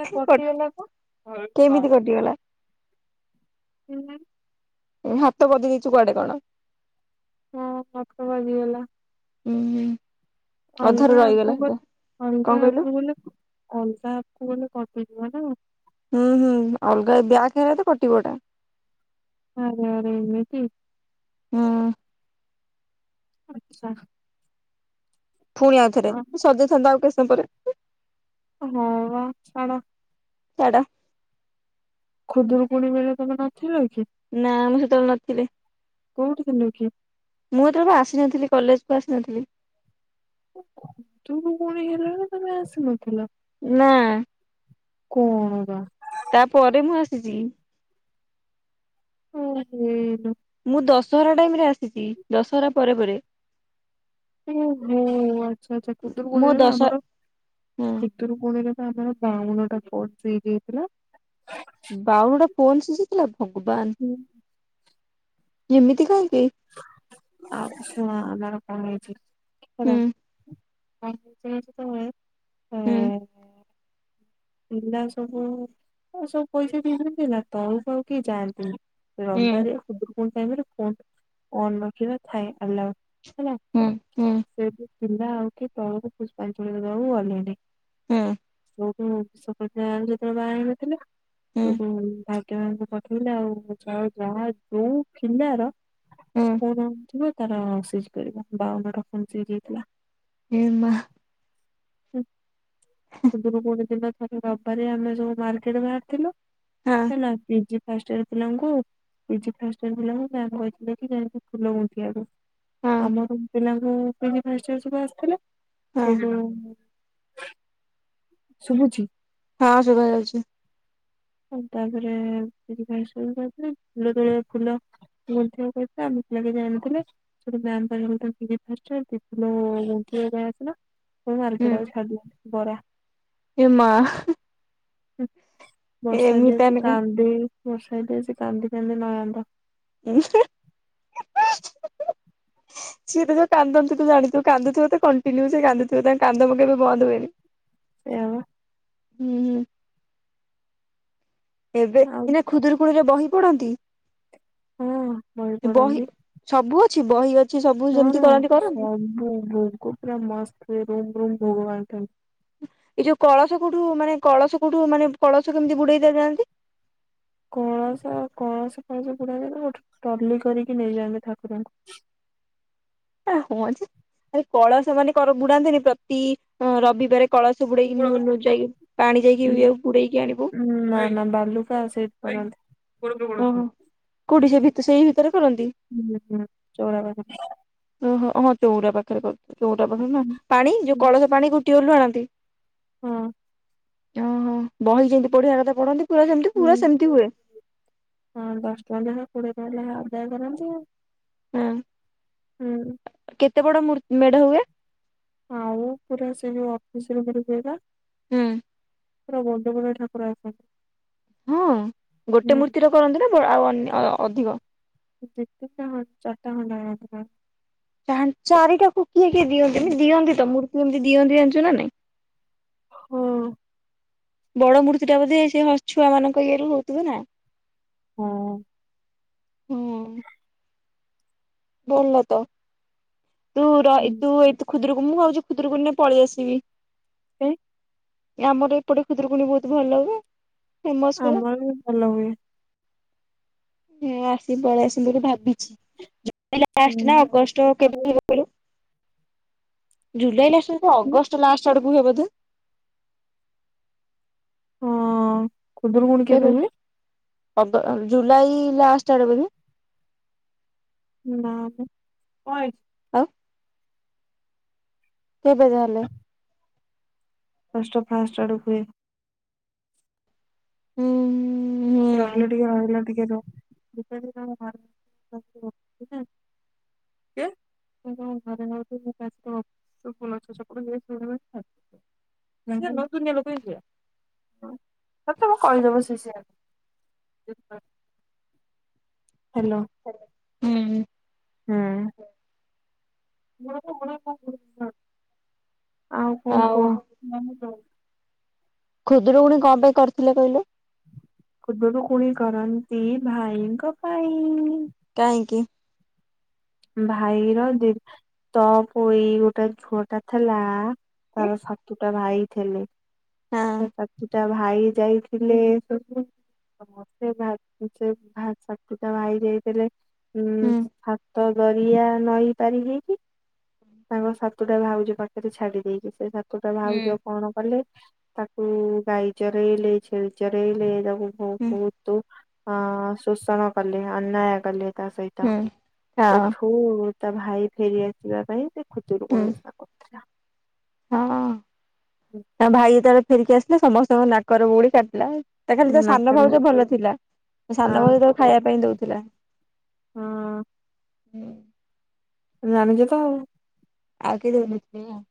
ସେ କୋଟି ହେଲାପା। କେମିତି କଟିଗଲା ହୁ। ହାତ କଟି ଦେଇଛୁ କୁଆଡେ କଣ ହଁ ନଖ ବାଜିଗଲା। ହୁଁ। ଅଧାରୁ ଅଲଗା ଆପ ରହିଗଲା କୁ ସେଟା ଗଲେ କଣ ଅଲଗା କହିଲୁ ଆପ କୁ ଗଲେ ଅଲଗା ଆପ କୁ ଗଲେ କଟୁଚି। ଛୁଆଟା। ହୁଁ ହୁଁ ଅଲଗା ବ୍ୟାକ ହେଲେ ତ କଟିିବ ଏଟା। ଆରେ ଆରେ ଏମିତି। ହଁ। ଆଚ୍ଛା। ପୁଣି ଆଉଥରେ ସରିଯାଇଥାନ୍ତା ଆଉ କିଛି ସମୟ ପରେ ହଁ ବା ଛାଡ଼ ଛାଡ। ଖୁଦୁରୁକୁୁଣି ବେଳେ ତମେ ନଥିଲ କି? ନା ମୁଁ ସେତେବେଳେ ନଥିଲି କୋଉଠି ଥିଲ କି? ମୁଁ ହେତେବେଳେ ବା ଆସିନଥିଲି। କଲେଜକୁ ଆସିନଥିଲି। ଖୁଦୁରୁକୁଣି ହେଲାଣି ତମେ ଆସିନଥିଲ? ନା କଣ ବା ତାପରେ ମୁଁ ଆସିଛି। ଓ ହେଇଲୋ। ମୁଁ ଦଶହରା ଟାଇମରେ ଆସିଛି ଦଶହରା ପରେ ପରେ ଓହୋ ଆଚ୍ଛା ଆଚ୍ଛା ମୋ ଖୁଦୁରୁକୁଣି ଦଶ ଆମର ହୁଁ ଖୁଦୁରୁକୁଣିରେ ଆମର ବାଉନ ଟା ଫ ଫ୍ରି ଦେଇଥିଲା। ବାଉନା ଟା ପୋନ ଶିଜ ହେଇଥିଲା ଭଗବାନ ଏମିତି କାହିଁ ଆଛୁ ଆମର କଣ ହେଇଛି ହୁଁ କର ପାଞ୍ଚ ବର୍ଷ ତଳେ ହୁଁ ଆ ପିଲା ସବୁ ଆ ସବୁ ପଇସା ପି ଦିଅନ୍ତି ନା ତଳୁକୁ ଆଉ କେହି ଯାଆନ୍ତିନି। ହୁଁ ରବିବାରିଆ ଖୁଦୁରୁକୁଣି ଟାଇମ୍ ରେ ଫୋନ ଅନ ରଖିବା ଥାଏ ଆଲାଉ। ହେଲା ହୁଁ ହୁଁ ସେ ପିଲା ଆଉ କିଏ ତଳକୁ ପୁଷ୍ପାଞ୍ଜଳି ଦେବାକୁ ଗଲେନି। ହୁଁ। ହୁଁ ବିଶ୍ୱକନ୍ୟା ଯେତେବେଳେ ବାହା ହେଇନଥିଲେ ହୁଁ ସବୁ ଭାଗ୍ୟବାନଙ୍କ ପିଲା ଯାହା ଯୋଉ ଖିଲାର ହୁଁ କଣ ହୋଇଥିବ ତାର ପିଜି କରିବ। ବାଉନଟା ଫୋନ୍ ସିଜ୍ ହେଇଥିଲା। ଏ ମା ହୁଁ ଖୁଦୁରୁକୁଣି ଦିନ ଯୋଉ ରବିବାରିଆ ଆମେ ସବୁ ମାର୍କେଟ ବାହାରିଥିଲୁ ହଁ ହେଲା ପିଜି ଫାଷ୍ଟୟର ପିଲାଙ୍କୁ ପିଜି ଫାଷ୍ଟୟର ପିଲାଙ୍କୁ ମ୍ୟାମ୍ କହିଥିଲେ କି ଯାଇଙ୍କି ଫୁଲ ଗୁନ୍ତିବାକୁ ହଁ ଆମର ପିଲାଙ୍କୁ ପିଜି ଫାଷ୍ଟୟର ସବୁ ଆସିଥିଲେ। ହଁ ସେ ଯୋଉ ଶୁଭୁଛି? ହଁ ଶୁଭା ଯାଉଛି। ଆଉ ତା ପରେ ଖିରି ଖାଈ ଶୋଇପଡିଥିଲି ଫୁଲ ତୋଳା ଫୁଲ ଗୁନ୍ତିବାକୁ କହିଥିଲେ ଆମ ପିଲା କେହି ଯାଇନଥିଲେ ସେଠୁ ମ୍ୟାମ୍ କହିଲେ ହୋଉ ତାଙ୍କୁ ଦିଅ ଫାଷ୍ଟ ପି ଫୁଲ କିଏ କିଏ ଯାଇଥିଲ ହୋଉ ହୁଁ ମାର୍କେଟ ଆଉଛି ଖାଇଦବୁ ବରା ଏ ମା ବର୍ଷା ଏମିତି ଦେଇଛି ଏନକା କାନ୍ଦି ବର୍ଷା ଦେଇଛି କାନ୍ଦି କାନ୍ଦି ନୟାନ୍ତ। ହଁ ହା। ସିଏ ତ ଯୋଉ କାନ୍ଦନ୍ତି ତୁ ଜାଣିଥିବୁ କାନ୍ଦୁଥିବେ ତ କଣ୍ଟିନ୍ୟୁ ସେ କାନ୍ଦୁଥିବେ ତାଙ୍କ କାନ୍ଦ ମୁଁ କେବେ ବନ୍ଦ ହୁଏନି। ସେୟାବା। ହୁଁ ହୁଁ ଏବେ ଆଉ ଇନା ଖୁଦରୁକୁଣିରେ ବହି ପଢ଼ନ୍ତି? ହଁ ବହି ପଢ଼ନ୍ତି। କିଛି ବହି ଅ ହୁଁ ସବୁ ଭୋଗ ପୁରା ମସ୍ତ ହୁଏ ରୁମ ରୁମ ଭୋଗ ବାଟନ୍ତି। ଏଇ ଯୋଉ କଳସ କୋଉଠୁ ମାନେ କଳସ କୋଉଠୁ ମାନେ କଳସ କେମିତି ବୁଡେଇତେ ଯାଆନ୍ତି। କଳସ କଳସ ଫଳସ ବୁଡ଼ାଯାଏନା ଗୋଟେ ଟଲି କରିକି ନେଇଯାଆନ୍ତି ଠାକୁରଙ୍କୁ। ଏ ହଁ ଯେ ଆରେ କଳସ ମାନେ କଣ ବୁଡାନ୍ତିନି ପ୍ରତି ଅ ରବିବାରେ କଳସ ବୁଡେଇକି ନୂ ନୂ ଯାଇକି ପାଣି ଯାଇକି ବୁଡେଇକି ଆଣିବୁ। କେମିତି ଓହୋ [unintelligible] କୋଉଠି ସେ ଭିତ ସେଇ ଭିତରେ କରନ୍ତି। ହୁଁ ଚଉରା ପାଖରେ। ଓହୋ। ହଁ ଚଉରା ପାଖରେ କରୁ ଚଉରା ପାଖରେ ନା ପାଣି ଯୋଉ କଳସ ପାଣି କୋଉଠୁ ଟିଅଲରୁ ଆଣନ୍ତି। ହଁ। ଓହୋ ବହି ଯେମିତି ପଢିବା କଥା ପଢନ୍ତି ପୁରା ସେମିତି ପୁରା ସେମତି ହୁଏ। ହଁ ଦଶଟଙ୍କା ଲେଖା କୋଡ଼ିଏ ଟଙ୍କା ଲେଖାଏଁ ଆଦାୟ କରନ୍ତି। ହଁ। ହୁଁ। କେତେ ବଡ ମୂର୍ ମେଢ ହୁଏ? ଆଉ ପୁରା ସେ ଯୋଉ ଅଫିସରେ ଗୋଟେ ହୁଏପା। ହୁଁ। ପୁରା ବଡ଼ବଡ଼ ଠାକୁର ଏପ ହଁ ଗୋଟେ ମୂର୍ତ୍ତିର କରନ୍ତି ନା ଆଉ ଅନ୍ୟ ଅ-ଅ-ଅ ଅଧିକ? ଦେଖିତେ ଚାରିଟା ଖଣ୍ଡେ [unintelligible] ପା ଚାରିଟାକୁ କିଏ କିଏ ଦିଅନ୍ତି ଏମିତି ଦିଅନ୍ତି ତ ମୂର୍ତ୍ତି ଏମିତି ଦିଅନ୍ତି ଜାଣିଛୁ ନା ନାଇଁ। ହଁ। ବଡ ମୂର୍ତ୍ତି ଟା ବୋଧେ ସେ ହ ଛୁଆ ମାନଙ୍କ ଇଏରୁ ହଉଥିବ ନା। ହଁ। ହୁଁ। ଭଲତ ତୁ ର ଏଇ ତୁ କାଇଁ କୁ ଖୁଦୁରୁକୁ ମୁଁ ଭାବୁଛି ଖୁଦୁରୁକୁଣି ରେ ପଳେଇ ଆସିବି। ସେ ଆମର ଏପଟେ ଖୁଦୁରୁକୁଣୀ ବହୁତ ଭଲ ହୁଏ। ଫେମସ ପୁରା। ଆମର ବି ଭଲ ହୁଏ। ହଁ ଆସିି ପଳେଇ ଆସିବି ବୋଲି ଭାବିଛି। ଲାଷ୍ଟ ନା ହୁଁ। ଅଗଷ୍ଟ କେବେ ଆଉ ହେବ ବୋଲି କହିଲୁ। ଜୁଲାଇ ଲାଷ୍ଟ କୁ ହୁଁ, ଅଗଷ୍ଟ ଲାଷ୍ଟ ଆଡକୁ ହୁଏ ବୋଧେ। ହଁ ଖୁଦୁରୁକୁଣୀ କେବେ ହୁଏ। ଅଗ ଜୁଲାଇ-ଇ-ଇ-ଇ ଲାଷ୍ଟ ଆଡେ ବୋଧେ। ନା ମ। ହ କେବେ ତାହେଲେ? ଷ୍ଟ ଫାଷ୍ଟ ଆଡ଼କୁ ହୁଏ। ହୁଁ ହୁଁ ରହିଲ ଟିକେ ରହିଲ ଟିକେ। [inaudible] କିଏ। [inaudible] [unintelligible] [inaudible] ହ୍ୟାଲୋ ହୁଁ ହୁଁ। [inaudible] ଆଉ କଣ ଆଉ କୁହ? ଖୁଦୁରକୁୁଣି କଣ ପାଇଁ କରିଥିଲେ କହିଲେ? ଖୁଦୁରୁକୁଣି କରନ୍ତି ଭାଇଙ୍କ ପାଇଁ। କାହିଁକି? ଭାଇର ଦି ତଅପୋଇ ଗୋଟେ ଝୁଅ ଟା ଥିଲା ତାର ସାତୁଟା ଭାଇ ଥିଲେ। ହଁ ତା ସାତୁଟା ଭା ଭାଇ ଯାଇଥିଲେ ସବୁ ସମସ୍ତେ [unintelligible] ସାତୁଟା ଭାଇ ଯାଇଥିଲେ ଉଁ ହୁଁ ସାତ ଦରିଆ ନଈ ପାରି ହେଇକି। ତାଙ୍କ ସାତୁ ଟା ଭାଉଜ ପାଖରେ ଛାଡି ଦେଇକି। ସେ ସା ତୋଟା ହୁଁ। ଭାଉଜ କଣ କଲେ ତାକୁ ଗାଈ ଚରେଇଲେ ଛେଳି ଚରେଇଲେ ହୁଁ ବହୁତୁ ଅ ଶୋଷଣ କଲେ ଅନ୍ୟାୟ କଲେ ତା ସହିତ ହୁଁ ହଁ ସେଠୁ ତା ଭାଇ ଫେରିଆସିବା ପାଇଁ ସେ ହୁଁ ଖୁଦୁରୁକୁଣି ଓଷା କରୁଥିଲା। ହଁ ତା ଭାଇ ଯେତେବେଳେ ଫେରିକି ଆସିଲା ସମସ୍ତଙ୍କ ନାକର ବଉଳି କାଟିଲା। ତା ଖାଲି ତା ସାନ ନାକରା ଭାଉଜ ଭଲ ଥିଲା। ତା ସାନ ହଁ ଭାଉଜ ତାକୁ ଖାଇବା ପାଇଁ ଦଉଥିଲା। ହଁ। ହୁଁ। ଜାଣିଚୁ ତ ଆଉ। ଆଗେ। [unintelligible]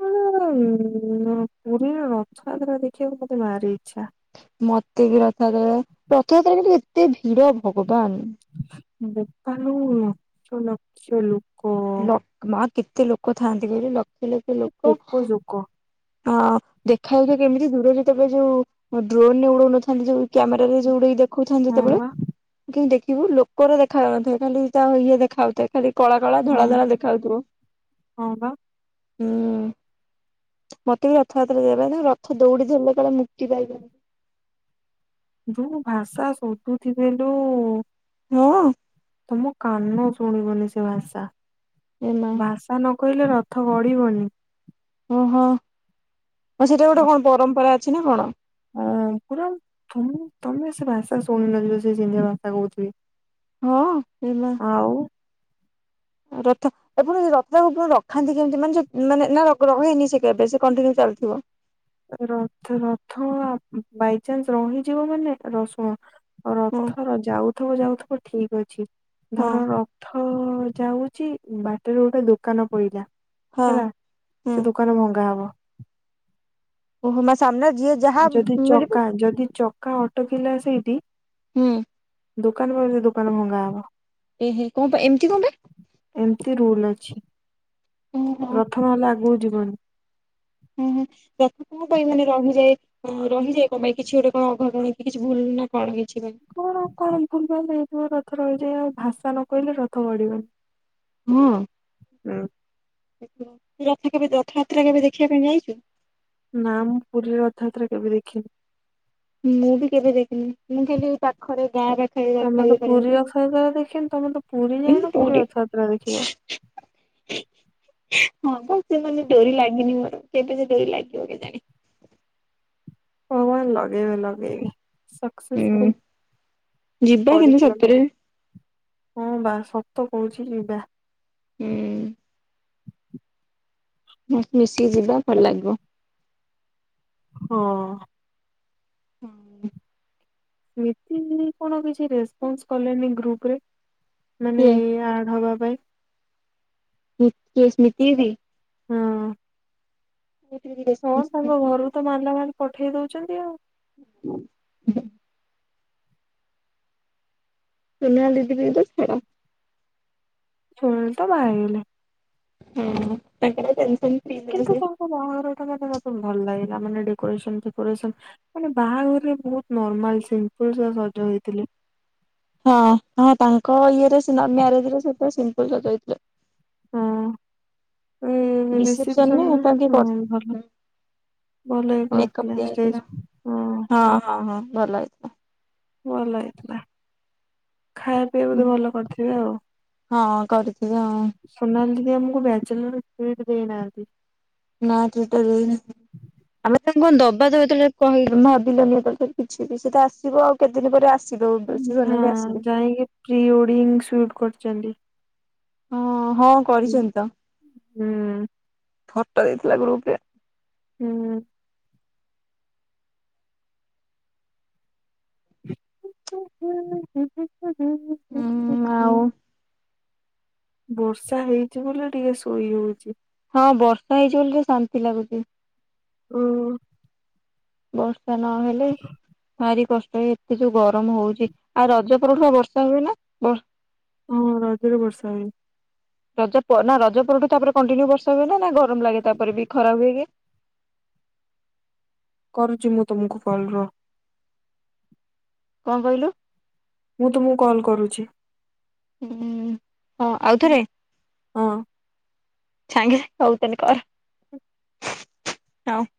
[unintelligible] ପୁରୀର ରଥଯାତ୍ରା ଦେଖିବାକୁ ମତେ ଭାରି ଇଚ୍ଛା। ମତେ ବି ରଥଯାତ୍ରା ରଥଯାତ୍ରା କି ଏତେ ଭିଡ ଭଗବାନ! ବୋପା ଲୋ ଲକ୍ଷ ଲକ୍ଷ ଲୋକ। ଲ ମା କେତେ ଲୋକ ଥାଆନ୍ତି କହିଲୁ ଲକ୍ଷ ଲକ୍ଷ ଖାଲି ଲୋକ ପୋକ ଜୋକ ହଁ ଦେଖାଯାଉଉଥିବା କେମିତି ଦୂର ଯେତେବେଳେ ଯୋଉ ଡ୍ରୋନରେ ଉଡଉନଥାନ୍ତି ଯୋଉ କ୍ୟାମେରାରେ ଯୋଉଟିକି ଦେଖଉଥାନ୍ତି ହଁ ଯେତେବେଳେ ବା କେମିତି ଦେଖ ବୁ ଲୋକ ଗୁରା ଦେଖାଯାଉନଥିବେ। ଖାଲି ତା ଇଏ ଦେଖାଯାଉଥାଏ ଖାଲି କଳା କଳା ଧଳା ହଁ ଧଳା ବା, ଦେଖାଉଥିବ। ହଁ ବା। ହୁଁ। ମତେ ବି ରଥଯାତ୍ରା ଯିବାପାଇଁ, ରଥ ଦୌଡି ଧରିଲେ କୁଆଡେ ମୁକ୍ତି ପାଇବ। ଯୋଉ ଭାଷା ଶୋଧୁଥିବେ ଲୋ। ହଁ। ତମ କାନ ଶୁଣିବନି ସେ ଭାଷା। ଏମା ଭାଷା ନ କହିଲେ ରଥ ଗଢିବନି। ଓହୋ ସେଇଟା ଗୋଟେ କଣ ପରମ୍ପରା ଅଛି ନା କଣ? ଅ ପୁରା ତମେ ତମେ ସେ ଭାଷା ଶୁଣିନଥିବ ସେ ସେତିଆ ଭାଷା କହୁଥିବେ। ହଁ ଏ ମା! ଆଉ ରଥ ଏପୁଣି ରଥ ରଖାନ୍ତି କେମିତି ମାନେ ମାନେ ନା ରହେନି ସେ କେବେ ସେ କଣ୍ଟି ଚାଲିଥିବ ରଥ ରଥ ବାଇଚାନ୍ସ ରହିଯିବ ମାନେ ର ଶୁଣ ହୁଁ ରଥର ଯାଉଥିବ ଯାଉଥିବ ଠିକ ଅଛି। ହଁ ଧର ରଥ ଯାଉଛି ବାଟରେ ଗୋଟେ ଦୋକାନ ପଇଲା ହଁ ହେଲା। ହୁଁ ସେ ଦୋକାନ ଭଙ୍ଗା ହବ। ଓହୋ ମା ସାମ୍ନା ଯିଏ ଯାହା ଯଦି ମିଳିବ ଚକା ଯଦି ଚକା ଅଟକିଲା ସେଇଠି ହୁଁ। ଦୋକାନ ପଇଲେ ସେ ଦୋକାନ ଭଙ୍ଗା ହବ। ଏହେ କଣ ପାଇଁ ଏମିତି କଣ ପାଇଁ ଏମତି ରୁଲ ଅଛି। ଓହୋ ରଥ ନହେଲେ ଆଗକୁ ଯିବନି। ଉଁ ହୁଁ। ରଥ କଣ ପାଇଁ ମାନେ ରହିଯାଏ? ରହିଯାଏ କଣ ପାଇଁ କିଛି ଗୋଟେ କଣ ଅଘଟଣ କିଛି ଭୁଲ ନା କଣ? ପାଇଁ କଣ କଣ ଭୁଲଭାଲ ହେଇଥିବ ରଥ ରହିଯାଇ। ଆଉ ଭାଷା ନ କହିଲେ ରଥ ଗଡିବନି। ହୁଁ। ରଥ କେବେ ରଥଯାତ୍ରା କେବେ ଦେଖିବା ପାଇଁ ଯାଇଚୁ? ନା ମୁଁ ପୁରୀ ରଥଆତ୍ରା କେବେ ଦେଖିନି? ମୁଁ ବି କେବେ ଦେଖିନି? ମୁଁ ଖାଲି ପାଖରେ ଗାଁ ପାଖରେ ତମେ ରଥ ତ ବି ପୁରୀ କରନ୍ତି। ରଥଯାତ୍ରା ଦେଖିନି ତମେ ତ ପୁରୀ ଯାଇନ ହିଁ ପୁରୀ ରଥଯାତ୍ରା ଦେଖିବ। [inaudible] ହଁ, ପା ସେ ମାନେ ଡୋରି ଲାଗିନି ମୋର। କେବେ ସେ ଡୋରି ଲାଗିବ କେ ଜାଣି? ହଁବା ଲଗେଇବେ! ଲଗେଇବେ! ହୁଁ ସକ୍ସେସ୍ଫୁଲ ଯିବା କରି କିନ୍ତୁ କୁଲମ୍ ରେ ସତରେ ହଁ ବା ସତ କହୁଛି, ଯିବା। ହୁଁ। ମିଶିକି ଯିବା, ଭଲ ଲାଗିବ। ହଁ। ହୁଁ। ସ୍ମିତି କଣ କିଛି, ରେସପନ୍ସ କଲେନି ଗ୍ରୁପ ରେ? ମାନେ କିଏ ଏଇ ଆଡ଼ ହବା ପାଇଁ। ହୁ କିଏ ସ୍ମୃତିି ଦିଦି? ହଁ। ହଁ, ତାଙ୍କ ଘରୁ ତ ମାଲା ମାଲ୍ ପଠେଇ ଦଉଛନ୍ତି ଆଉ। [inaudible] ସୋନାଲି ଦିଦିବିକି ତ ଛାଡ଼! ସୋନାଲି ତ ବାହାହେଇ ଗଲେ। ହୁଁ, ତାଙ୍କର ଟେନ୍ କିନ୍ତୁ ତାଙ୍କ ବାହାଘରଟା ମାନେ ମତ୍ ଭଲ ଲାଗିଲା ମାନେ, ଡେକୋରେସନ୍ ଫେକୋରେସନ୍ ମାନେ ବାହାଘରେ ବହୁତ ନର୍ମାଲ ସିମ୍ପଲସା ସ ସଜ ହେଇଥିଲେ। ହ କଉ ସଜ ହେଇଥିଲେ? ହଁ। ଏଇ ରିସେପସନ୍ ନେ ରିସେପସନରେ ତାଙ୍କୁ କିଏ ହଁ କର, ଭଲ ହୁଁ, ଭଲ ହିଁ ମେକଅପ୍ କରିଥିଲା ଷ୍ଟେଜ ଦିଆହେଇଥିଲା। ହଁ ହଁ ହଁ ଭଲ ହେଇଥିଲା। ଭଲହେଇ ଥିଲା। ଖାଇବା ପିଇବା ହୁଁ। ବୋଧେ ଭଲ କରିଥିବେ ଆଉ? ହଁ କରିଥିଲି ହଁ ସୋନାଲି ସେ ଆମକୁ ବ୍ୟାଚଲର ଫିଡ୍ ଦେଇନାହାଁନ୍ତି। ନା ଟ୍ରିଟର [unintelligible] ଆମେ ତାଙ୍କୁ କଣ ଦବା ତ ଏତେବେଳେ ଯାଏ କହିଲୁ। ଭାବିଲୁନି! ଏତେବେଳେ କିଛି ବି ସେ ତ ଆସିବ, ଆଉ କେତେ ଦିନ ପରେ ଆସିବ? ସେ ହଁ, ସୋନା ବି ଆସିବେ ଯାଇଁକି ପ୍ରି ୱେଡିଙ୍ଗ୍ ସୁଟ କରୁଚନ୍ତି। ହଁ, ହଁ, କରିଛନ୍ତି ତ! ହୁଁ। ଫ ଟ ଦେଇଥିଲା ଗ୍ରୁପ୍ ରେ ହୁଁ। [inaudible] ହୁଁ ଆଉ। ବର୍ଷା ହେଇଛି ବୋଲି ଟିକେ ଶୋଇ ହଉଛି। ହଁ, ବର୍ଷା ହେଇଚି ବୋଲି ଶାନ୍ତି ଲାଗୁଛି। ଉ ବର୍ଷା ନହେଲେ, ଭାରି କଷ୍ ଏ ଏତେ ଯୋଉ ଗରମ ହଉଛି, ଆଉ ରଜ ପରଠୁ ଆ ବର୍ଷା ହୁଏ ନା? ହଁ, ରଜରେ ବର୍ଷ ହୁଏ। ରଜ ନା ରଜ ପରଠୁ ତାପରେ କଣ୍ଟିନ୍ୟୁ ବର୍ଷା ହୁଏ ନା ଗରମ ଲାଗେ, ତାପରେ ବି ଖରା ହୁଏ କି? କରୁଛି, ମୁଁ ତମକୁ କଲ୍ ରୁହ। କଣ କହିଲୁ? ମୁଁ ତୁମକୁ କଲ୍ କରୁଛି। ହୁଁ, ହଁ ଆଉଥରେ! ହଁ। ସାଙ୍ଗେ ସଙ୍ଗେ କହୁଛନ୍ତି କର ହଁ।